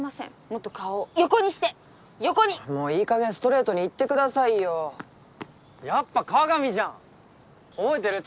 もっと顔を横にして横にもういいかげんストレートに言ってくださいよやっぱ各務じゃん覚えてる？